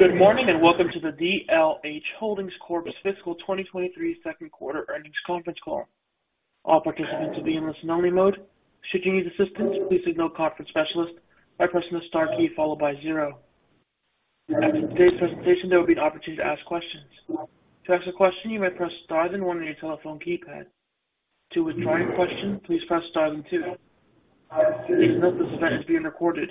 Good morning, and welcome to the DLH Holdings Corp's fiscal 2023 second quarter earnings conference call. All participants will be in listen only mode. Should you need assistance, please signal conference specialist by pressing the star key followed by zero. After today's presentation, there will be an opportunity to ask questions. To ask a question, you may press Star then one on your telephone keypad. To withdraw your question, please press Star then two. Please note this event is being recorded.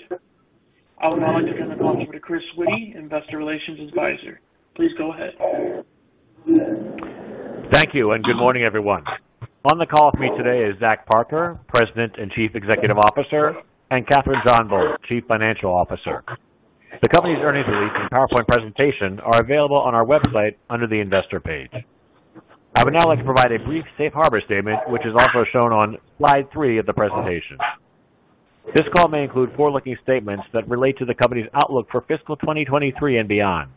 I would now like to turn the call over to Chris Witty, Investor Relations Advisor. Please go ahead. Thank you. Good morning, everyone. On the call with me today is Zach Parker, President and Chief Executive Officer, and Kathryn JohnBull, Chief Financial Officer. The company's earnings release and PowerPoint presentation are available on our website under the investor page. I would now like to provide a brief safe harbor statement, which is also shown on slide 3 of the presentation. This call may include forward-looking statements that relate to the company's outlook for fiscal 2023 and beyond.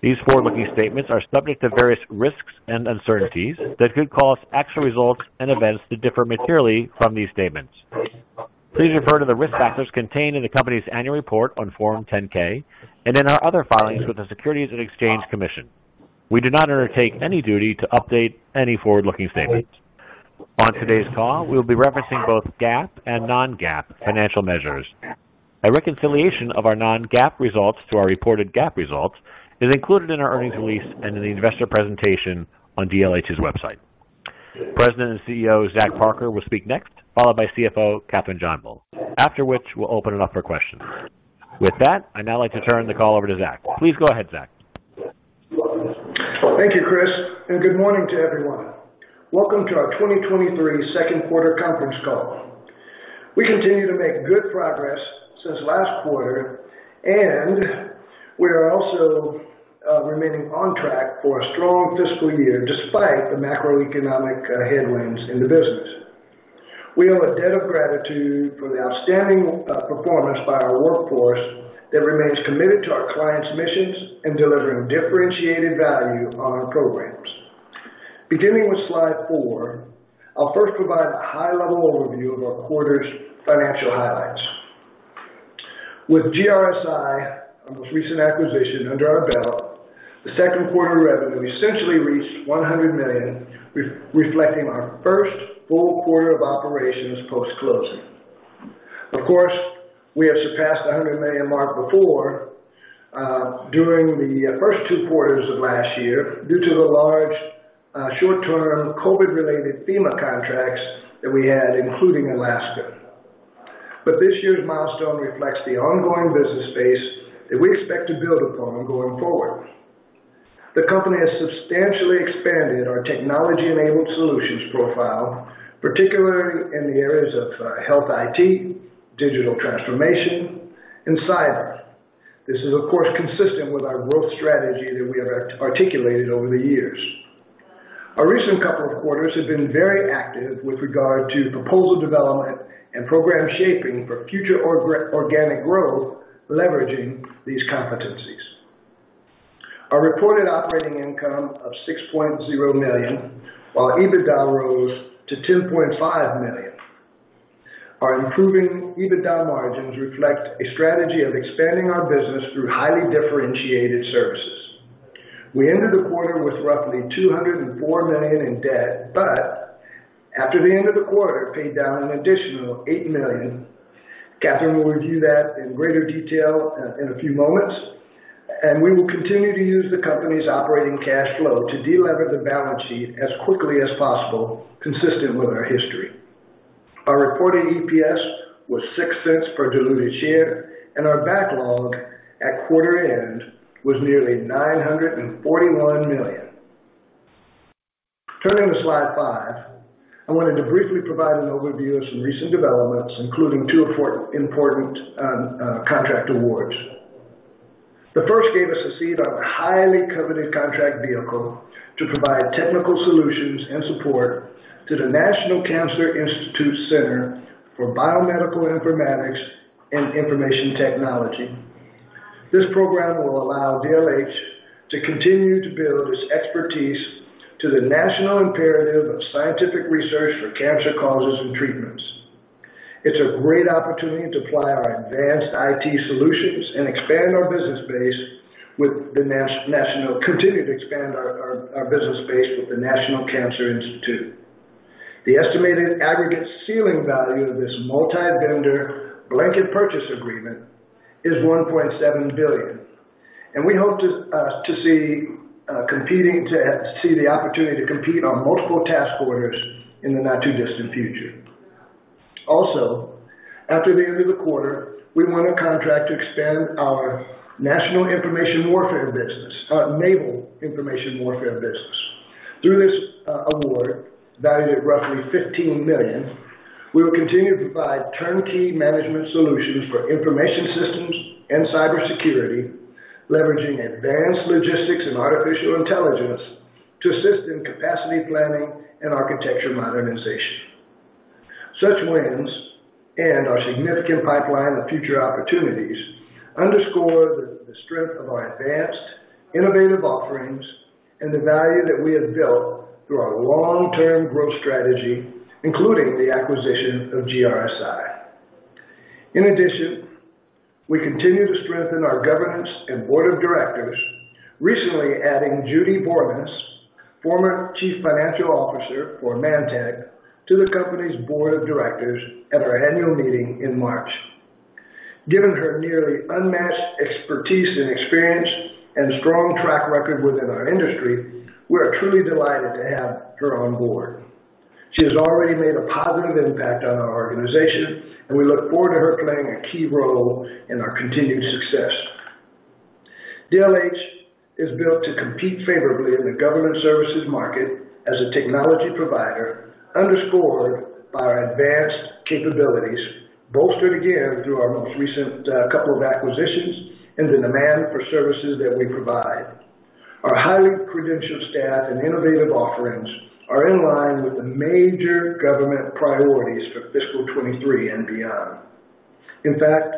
These forward-looking statements are subject to various risks and uncertainties that could cause actual results and events to differ materially from these statements. Please refer to the risk factors contained in the company's annual report on Form 10-K and in our other filings with the Securities and Exchange Commission. We do not undertake any duty to update any forward-looking statements. On today's call, we'll be referencing both GAAP and non-GAAP financial measures. A reconciliation of our non-GAAP results to our reported GAAP results is included in our earnings release and in the investor presentation on DLH's website. President and CEO, Zach Parker, will speak next, followed by CFO Kathryn Johnbull, after which we'll open it up for questions. With that, I'd now like to turn the call over to Zach. Please go ahead, Zach. Thank you, Chris. Good morning to everyone. Welcome to our 2023 second quarter conference call. We continue to make good progress since last quarter. We are also remaining on track for a strong fiscal year despite the macroeconomic headwinds in the business. We owe a debt of gratitude for the outstanding performance by our workforce that remains committed to our clients' missions in delivering differentiated value on our programs. Beginning with slide 4, I'll first provide a high-level overview of our quarter's financial highlights. With GRSI, our most recent acquisition under our belt, the second quarter revenue essentially reached $100 million, reflecting our first full quarter of operations post-closing. Of course, we have surpassed the $100 million mark before, during the first two quarters of last year due to the large short-term COVID-related FEMA contracts that we had, including Alaska. This year's milestone reflects the ongoing business space that we expect to build upon going forward. The company has substantially expanded our technology-enabled solutions profile, particularly in the areas of health IT, digital transformation, and cyber. This is, of course, consistent with our growth strategy that we have articulated over the years. Our recent couple of quarters have been very active with regard to proposal development and program shaping for future organic growth, leveraging these competencies. Our reported operating income of $6.0 million, while EBITDA rose to $10.5 million. Our improving EBITDA margins reflect a strategy of expanding our business through highly differentiated services. We ended the quarter with roughly $204 million in debt, but after the end of the quarter, paid down an additional $8 million. Katherine will review that in greater detail in a few moments. We will continue to use the company's operating cash flow to delever the balance sheet as quickly as possible, consistent with our history. Our reported EPS was $0.06 per diluted share. Our backlog at quarter end was nearly $941 million. Turning to slide 5, I wanted to briefly provide an overview of some recent developments, including two important contract awards. The first gave us a seat on a highly coveted contract vehicle to provide technical solutions and support to the National Cancer Institute Center for Biomedical Informatics and Information Technology. This program will allow DLH to continue to build its expertise to the national imperative of scientific research for cancer causes and treatments. It's a great opportunity to apply our advanced IT solutions and expand our business base with the National Cancer Institute. The estimated aggregate ceiling value of this multi-vendor blanket purchase agreement is $1.7 billion, and we hope to see the opportunity to compete on multiple task orders in the not-too-distant future. Also, after the end of the quarter, we won a contract to expand our Naval Information Warfare business. Through this award, valued at roughly $15 million, we will continue to provide turnkey management solutions for information systems and cybersecurity, leveraging advanced logistics and artificial intelligence to assist in capacity planning and architecture modernization. Such wins and our significant pipeline of future opportunities underscore the strength of our advanced innovative offerings and the value that we have built through our long-term growth strategy, including the acquisition of GRSI. In addition, we continue to strengthen our governance and board of directors, recently adding Judy Bormann, former Chief Financial Officer for ManTech, to the company's board of directors at our annual meeting in March. Given her nearly unmatched expertise and experience and strong track record within our industry, we are truly delighted to have her on board. She has already made a positive impact on our organization, and we look forward to her playing a key role in our continued success. DLH is built to compete favorably in the government services market as a technology provider, underscored by our advanced capabilities, bolstered again through our most recent couple of acquisitions and the demand for services that we provide. Our highly credentialed staff and innovative offerings are in line with the major government priorities for fiscal 2023 and beyond. In fact,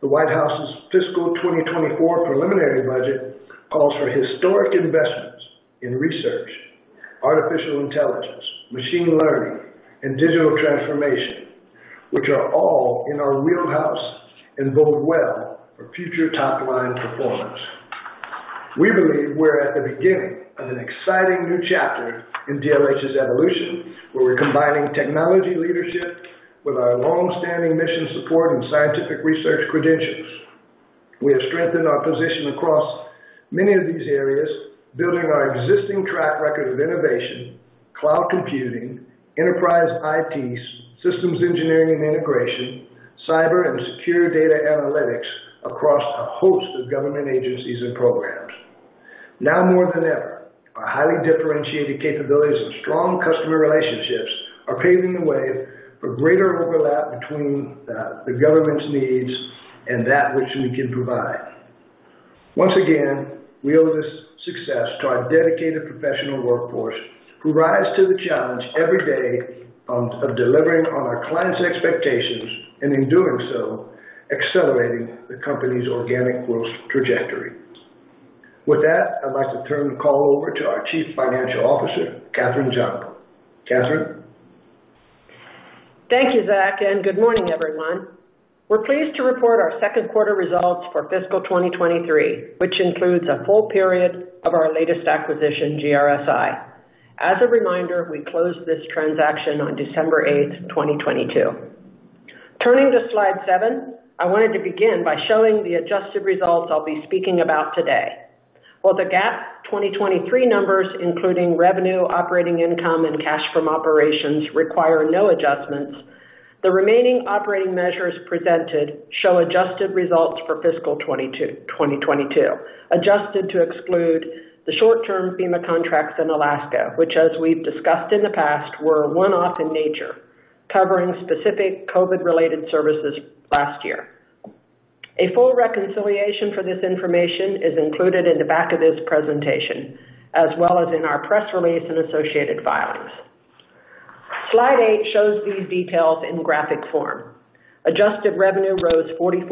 the White House's fiscal 2024 preliminary budget calls for historic investments in research, artificial intelligence, machine learning, and digital transformation, which are all in our wheelhouse and bode well for future top-line performance. We believe we're at the beginning of an exciting new chapter in DLH's evolution, where we're combining technology leadership with our long-standing mission support and scientific research credentials. We have strengthened our position across many of these areas, building on our existing track record of innovation, cloud computing, enterprise IT, systems engineering and integration, cyber and secure data analytics across a host of government agencies and programs. Now more than ever, our highly differentiated capabilities and strong customer relationships are paving the way for greater overlap between the government's needs and that which we can provide. Once again, we owe this success to our dedicated professional workforce who rise to the challenge every day of delivering on our clients' expectations, and in doing so, accelerating the company's organic growth trajectory. With that, I'd like to turn the call over to our Chief Financial Officer, Katherine John. Katherine. Thank you, Zach, and good morning, everyone. We're pleased to report our 2nd quarter results for fiscal 2023, which includes a full period of our latest acquisition, GRSI. As a reminder, we closed this transaction on December 8, 2022. Turning to slide 7, I wanted to begin by showing the adjusted results I'll be speaking about today. While the GAAP 2023 numbers, including revenue, operating income, and cash from operations, require no adjustments, the remaining operating measures presented show adjusted results for fiscal 2022, adjusted to exclude the short-term FEMA contracts in Alaska, which, as we've discussed in the past, were a one-off in nature, covering specific COVID-related services last year. A full reconciliation for this information is included in the back of this presentation, as well as in our press release and associated filings. Slide 8 shows these details in graphic form. Adjusted revenue rose 44%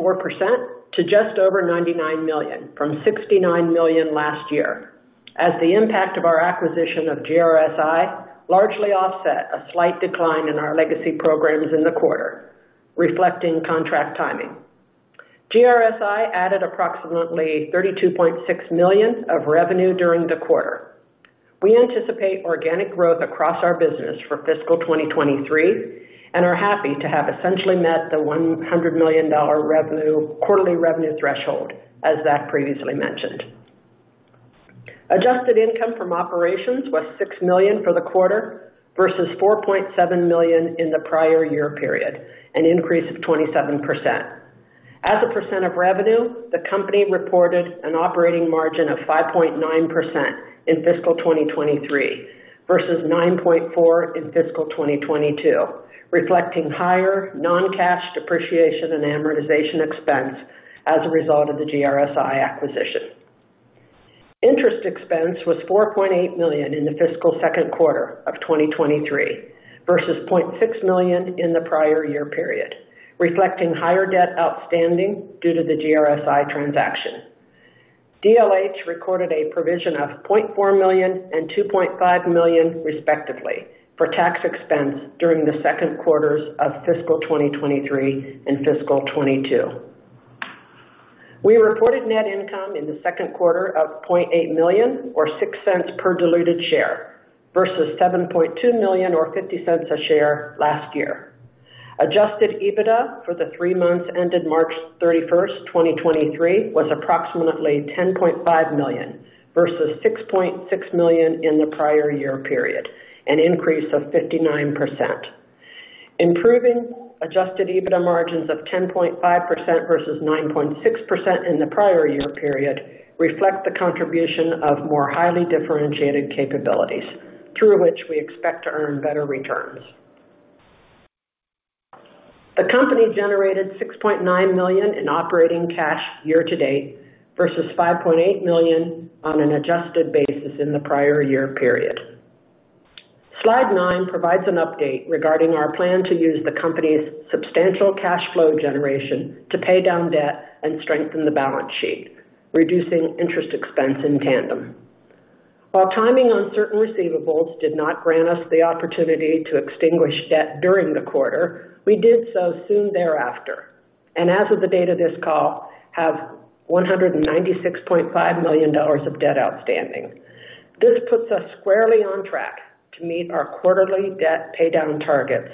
to just over $99 million from $69 million last year, as the impact of our acquisition of GRSI largely offset a slight decline in our legacy programs in the quarter, reflecting contract timing. GRSI added approximately $32.6 million of revenue during the quarter. We anticipate organic growth across our business for fiscal 2023 and are happy to have essentially met the $100 million quarterly revenue threshold, as Zach previously mentioned. Adjusted income from operations was $6 million for the quarter versus $4.7 million in the prior year period, an increase of 27%. As a % of revenue, the company reported an operating margin of 5.9% in fiscal 2023 versus 9.4% in fiscal 2022, reflecting higher non-cash depreciation and amortization expense as a result of the GRSI acquisition. Interest expense was $4.8 million in the fiscal second quarter of 2023 versus $0.6 million in the prior year period, reflecting higher debt outstanding due to the GRSI transaction. DLH recorded a provision of $0.4 million and $2.5 million, respectively, for tax expense during the second quarters of fiscal 2023 and fiscal 2022. We reported net income in the second quarter of $0.8 million or $0.06 per diluted share versus $7.2 million or $0.50 a share last year. Adjusted EBITDA for the three months ended March 31st, 2023 was approximately $10.5 million versus $6.6 million in the prior year period, an increase of 59%. Improving adjusted EBITDA margins of 10.5% versus 9.6% in the prior year period reflect the contribution of more highly differentiated capabilities through which we expect to earn better returns. The company generated $6.9 million in operating cash year to date versus $5.8 million on an adjusted basis in the prior year period. Slide 9 provides an update regarding our plan to use the company's substantial cash flow generation to pay down debt and strengthen the balance sheet, reducing interest expense in tandem. While timing on certain receivables did not grant us the opportunity to extinguish debt during the quarter, we did so soon thereafter. As of the date of this call, have $196.5 million of debt outstanding. This puts us squarely on track to meet our quarterly debt paydown targets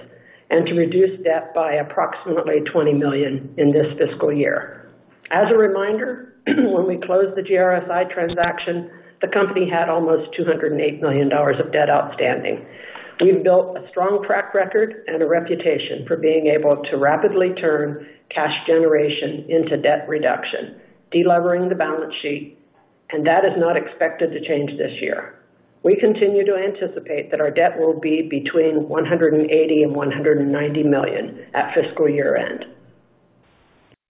and to reduce debt by approximately $20 million in this fiscal year. As a reminder, when we closed the GRSI transaction, the company had almost $208 million of debt outstanding. We've built a strong track record and a reputation for being able to rapidly turn cash generation into debt reduction, delevering the balance sheet, that is not expected to change this year. We continue to anticipate that our debt will be between $180 million and $190 million at fiscal year-end.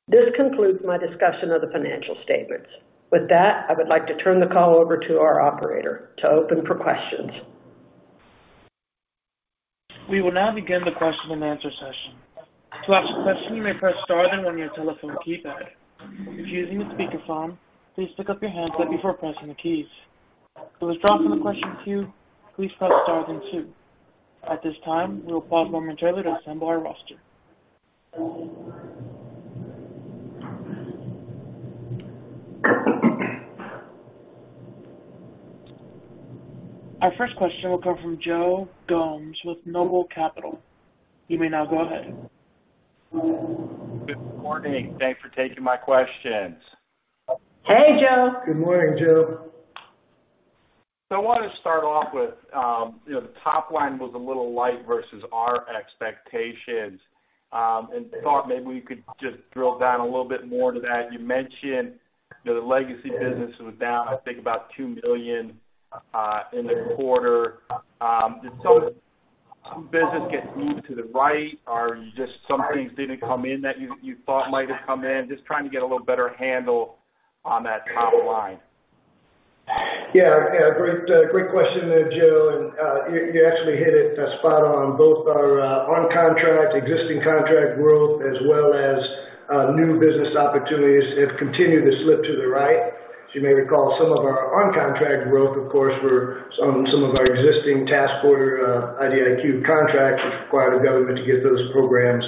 This concludes my discussion of the financial statements. I would like to turn the call over to our operator to open for questions. We will now begin the question-and-answer session. To ask a question, you may press star then on your telephone keypad. If you're using a speakerphone, please pick up your handset before pressing the keys. To withdraw from the question queue, please press star then two. At this time, we will pause momentarily to assemble our roster. Our first question will come from Joe Gomes with Noble Capital. You may now go ahead. Good morning. Thanks for taking my questions. Hey, Joe. Good morning, Joe. I wanted to start off with, you know, the top line was a little light versus our expectations, and thought maybe we could just drill down a little bit more to that. You mentioned that the legacy business was down, I think, about $2 million in the quarter. Business gets moved to the right. Some things didn't come in that you thought might have come in? Just trying to get a little better handle on that top line. Yeah. Yeah. Great, great question there, Joe. You actually hit it spot on. Both our on contract, existing contract growth, as well as new business opportunities have continued to slip to the right. As you may recall, some of our on-contract growth, of course, were on some of our existing task order IDIQ contracts, which require the government to get those programs,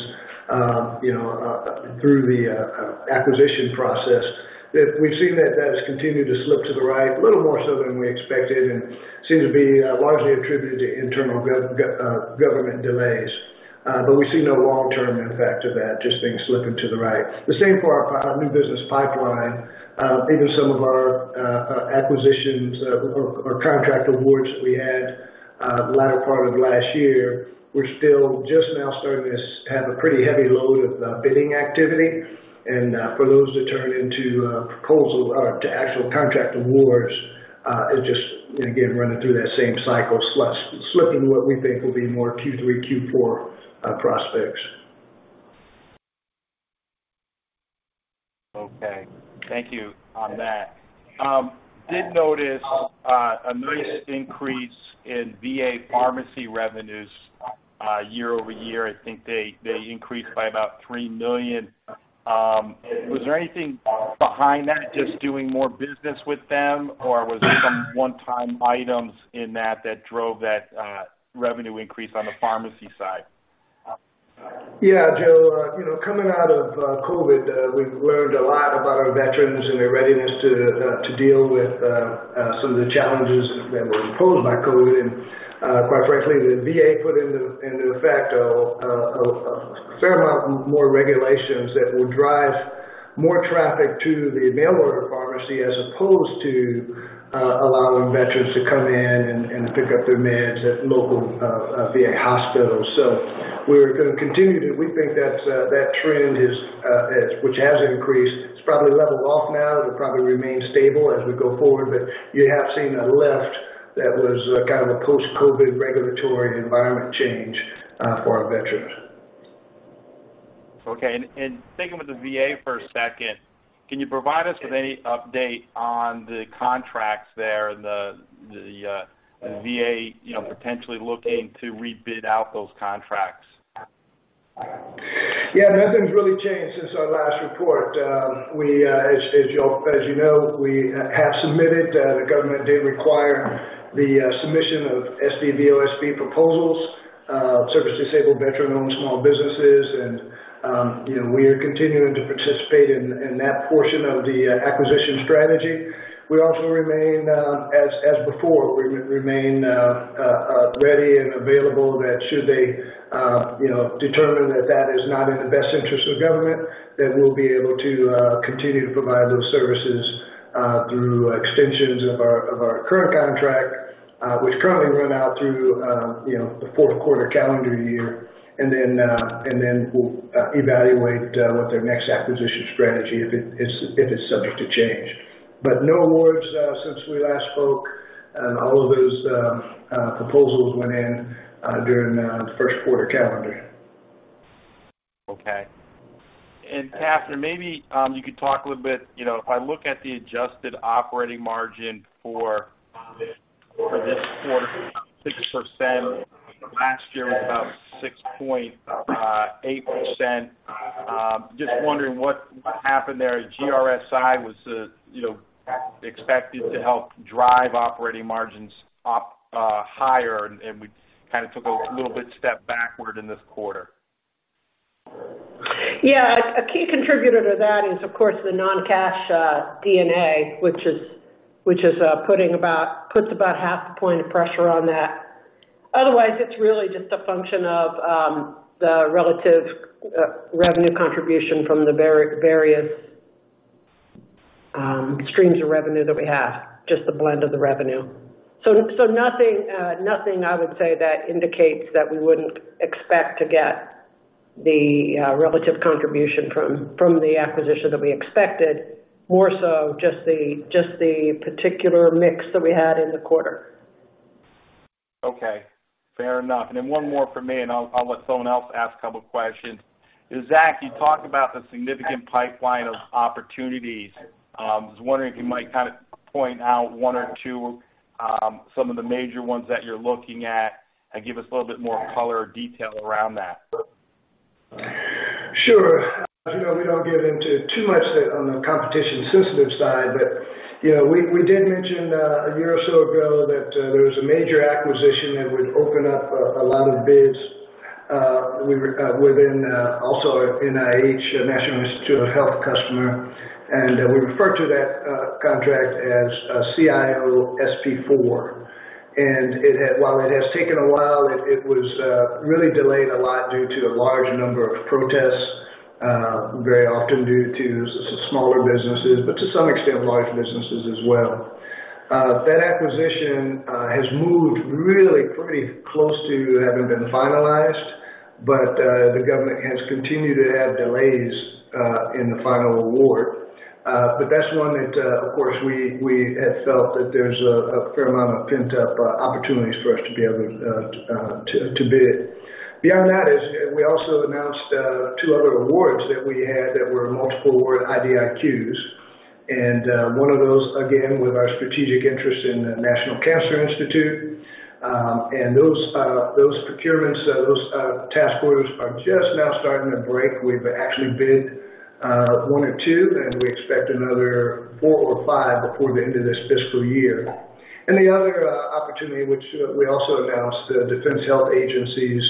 you know, through the acquisition process. We've seen that that has continued to slip to the right a little more so than we expected, and seems to be largely attributed to internal government delays. We see no long-term impact to that just being slipping to the right. The same for our new business pipeline. Even some of our acquisitions or contract awards that we had, the latter part of last year. We're still just now starting to have a pretty heavy load of bidding activity. For those to turn into proposal or to actual contract awards, is just, again, running through that same cycle, slipping what we think will be more Q3, Q4 prospects. Okay. Thank you on that. Did notice a nice increase in VA pharmacy revenues, year-over-year. I think they increased by about $3 million. Was there anything behind that, just doing more business with them, or was there some one-time items in that that drove that revenue increase on the pharmacy side? Yeah, Joe. You know, coming out of COVID, we've learned a lot about our veterans and their readiness to deal with some of the challenges that were imposed by COVID. Quite frankly, the VA put into effect a fair amount more regulations that will drive more traffic to the mail order pharmacy as opposed to allowing veterans to come in and pick up their meds at local VA hospitals. We're gonna continue to. We think that trend is, which has increased. It's probably leveled off now. It'll probably remain stable as we go forward, but you have seen a lift that was kind of a post-COVID regulatory environment change for our veterans. Okay. And sticking with the VA for a second, can you provide us with any update on the contracts there and the VA, you know, potentially looking to rebid out those contracts? Yeah, nothing's really changed since our last report. We, as you know, we have submitted. The government did require the submission of SDVOSB proposals, service-disabled veteran-owned small businesses. You know, we are continuing to participate in that portion of the acquisition strategy. We also remain, we remain ready and available that should they, you know, determine that that is not in the best interest of government, then we'll be able to continue to provide those services through extensions of our current contract, which currently run out through, you know, the fourth quarter calendar year. We'll evaluate what their next acquisition strategy if it is subject to change. No awards since we last spoke, and all of those proposals went in during the first quarter calendar. Okay. Kathryn, maybe, you could talk a little bit, you know, if I look at the adjusted operating margin for this quarter, 6%. Last year was about 6.8%. Just wondering what happened there. GRSI was, you know, expected to help drive operating margins up higher, we kind of took a little bit step backward in this quarter. A key contributor to that is, of course, the non-cash D&A, which puts about half the point of pressure on that. Otherwise, it's really just a function of the relative revenue contribution from the various streams of revenue that we have, just the blend of the revenue. Nothing I would say that indicates that we wouldn't expect to get the relative contribution from the acquisition that we expected, more so just the particular mix that we had in the quarter. Okay. Fair enough. Then 1 more from me, and I'll let someone else ask 2 questions. Zach, you talked about the significant pipeline of opportunities. I was wondering if you might kind of point out 1 or 2, some of the major ones that you're looking at and give us a little bit more color or detail around that? Sure. As you know, we don't get into too much that on the competition sensitive side, but, you know, we did mention a year or so ago that there was a major acquisition that would open up a lot of bids, we were within also NIH, National Institutes of Health customer. We refer to that contract as CIO-SP4. While it has taken a while, it was really delayed a lot due to the large number of protests, very often due to smaller businesses, but to some extent, large businesses as well. That acquisition has moved really pretty close to having been finalized, but the government has continued to have delays in the final award. That's one that, of course, we had felt that there's a fair amount of pent-up opportunities for us to be able to bid. Beyond that is we also announced 2 other awards that we had that were multiple award IDIQs. One of those, again, with our strategic interest in the National Cancer Institute. Those procurements, those task orders are just now starting to break. We've actually bid 1 or 2, and we expect another 4 or 5 before the end of this fiscal year. The other opportunity which we also announced, the Defense Health Agencies,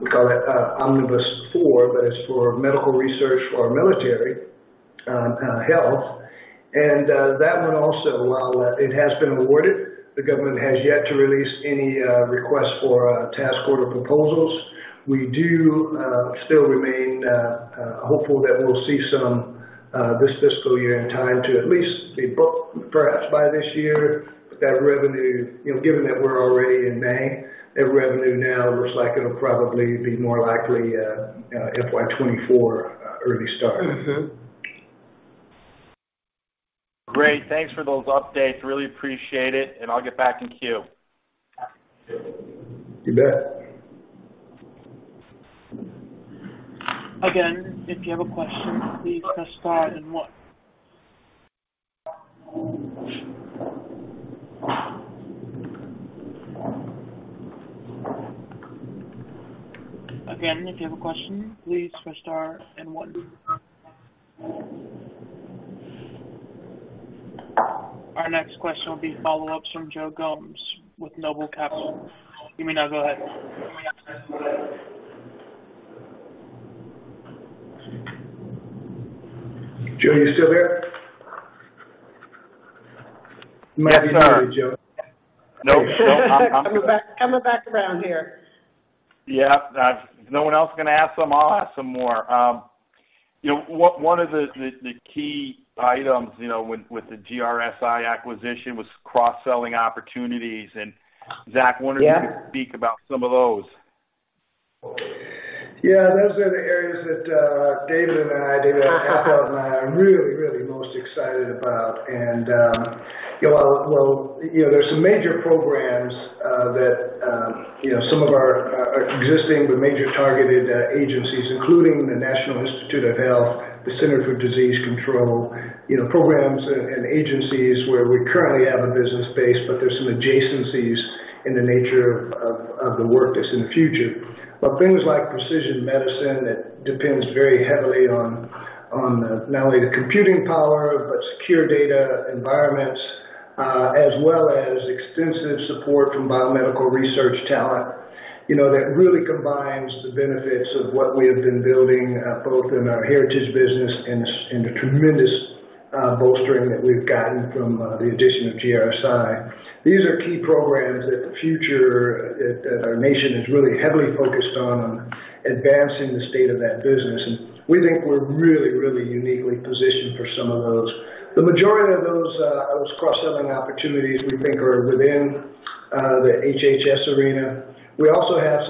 we call it OMNIBUS IV, but it's for medical research for military health. That one also, while it has been awarded, the government has yet to release any request for task order proposals. We do still remain hopeful that we'll see some this fiscal year in time to at least be booked perhaps by this year. That revenue, you know, given that we're already in May, that revenue now looks like it'll probably be more likely FY 2024 early start. Great. Thanks for those updates. Really appreciate it, and I'll get back in queue. You bet. Again, if you have a question, please press star and one. Our next question will be follow-ups from Joe Gomes with Noble Capital. You may now go ahead. Joe, are you still there? Yes, sir. You might be muted, Joe. Nope. Coming back around here. Yeah. If no one else is gonna ask some, I'll ask some more. You know, one of the key items, you know, with the GRSI acquisition was cross-selling opportunities. Yeah. wanted to speak about some of those. Yeah. Those are the areas that David and I, David Apple and I are really, really most excited about. You know, well, you know, there's some major programs that, you know, some of our existing but major targeted agencies, including the National Institutes of Health, the Center for Disease Control. You know, programs and agencies where we currently have a business base, but there's some adjacencies in the nature of the work that's in the future. Things like precision medicine that depends very heavily on not only the computing power, but secure data environments, as well as extensive support from biomedical research talent. You know, that really combines the benefits of what we have been building, both in our heritage business and the tremendous bolstering that we've gotten from the addition of GRSI. These are key programs that the future, that our nation is really heavily focused on advancing the state of that business, and we think we're really, really uniquely positioned for some of those. The majority of those cross-selling opportunities we think are within the HHS arena. We also have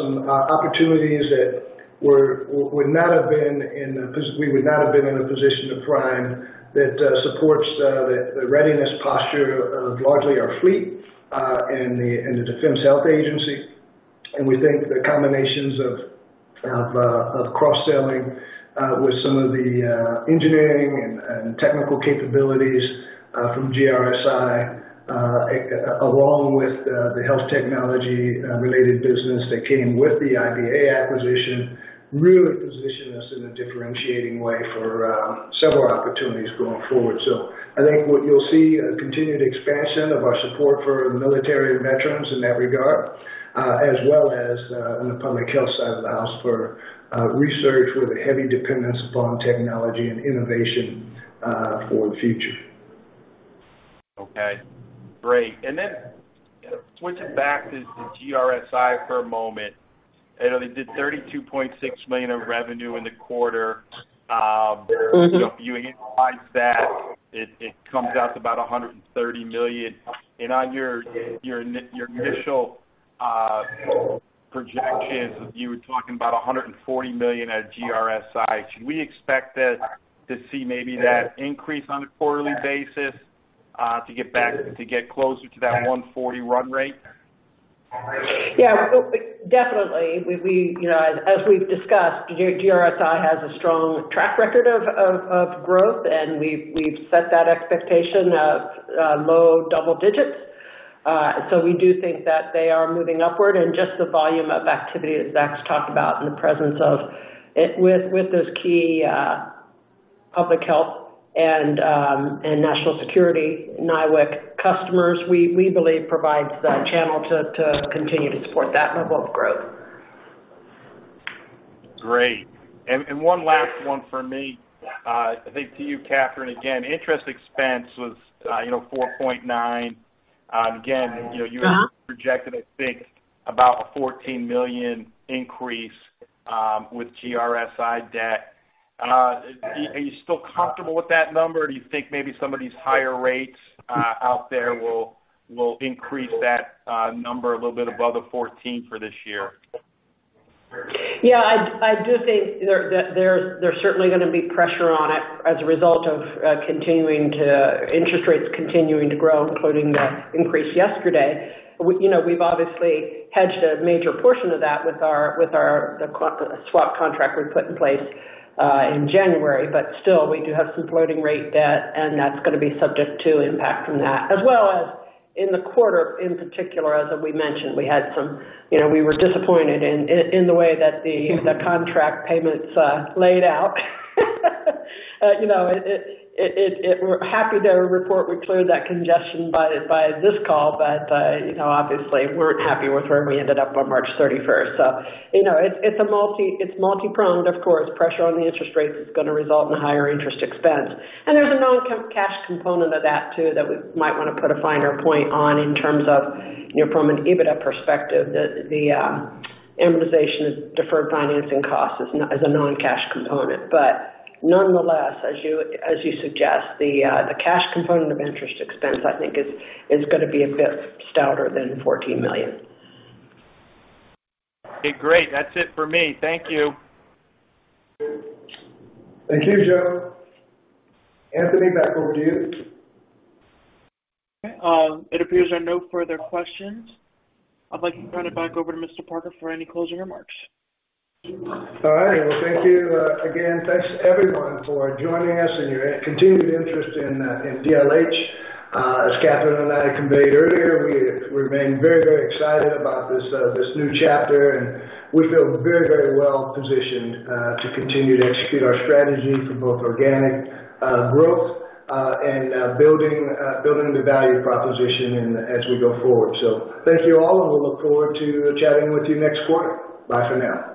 some opportunities that we would not have been in a position to prime that supports the readiness posture of largely our fleet and the Defense Health Agency. We think the combinations of Of cross-selling, with some of the engineering and technical capabilities from GRSI, along with the health technology related business that came with the IBA acquisition, really position us in a differentiating way for several opportunities going forward. I think what you'll see a continued expansion of our support for military veterans in that regard, as well as on the public health side of the house for research with a heavy dependence upon technology and innovation for the future. Okay, great. Then switching back to GRSI for a moment. I know they did $32.6 million of revenue in the quarter. Mm-hmm. If you annualize that it comes out to about $130 million. On your initial projections, you were talking about $140 million at GRSI. Should we expect that to see maybe that increase on a quarterly basis to get closer to that 140 run rate? Yeah. Well, definitely. You know, as we've discussed, GRSI has a strong track record of growth, and we've set that expectation of low double digits. We do think that they are moving upward. Just the volume of activity that Zach's talked about in the presence of it with those key public health and national security NIWC customers, we believe provides the channel to continue to support that level of growth. Great. One last one for me, I think to you, Kathryn, again, interest expense was, you know, $4.9. Again, you know. Uh-huh. You projected I think about a $14 million increase, with GRSI debt. Are you still comfortable with that number? Do you think maybe some of these higher rates out there will increase that number a little bit above the 14 for this year? Yeah. I do think there's certainly gonna be pressure on it as a result of interest rates continuing to grow, including the increase yesterday. You know, we've obviously hedged a major portion of that with our swap contract we put in place in January. Still, we do have some floating rate debt, and that's gonna be subject to impact from that. As well as in the quarter in particular, as we mentioned, we had some... You know, we were disappointed in the way that the contract payments laid out. You know, it... We're happy to report we cleared that congestion by this call, you know, obviously we're happy with where we ended up on March 31st. You know, it's multi-pronged, of course. Pressure on the interest rate is gonna result in higher interest expense. There's a non-cash component of that, too, that we might wanna put a finer point on in terms of, you know, from an EBITDA perspective, the amortization of deferred financing costs as a non-cash component. Nonetheless, as you suggest, the cash component of interest expense, I think is gonna be a bit stouter than $14 million. Okay, great. That's it for me. Thank you. Thank you, Joe. Anthony, back over to you. Okay. It appears there are no further questions. I'd like to turn it back over to Mr. Parker for any closing remarks. All right. Well, thank you. Again, thanks everyone for joining us and your continued interest in DLH. As Kathryn and I conveyed earlier, we remain very, very excited about this new chapter, and we feel very, very well positioned to continue to execute our strategy for both organic growth, and building the value proposition as we go forward. Thank you all, and we'll look forward to chatting with you next quarter. Bye for now.